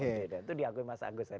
itu diakui mas agus